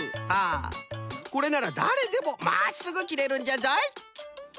これならだれでもまっすぐ切れるんじゃぞい。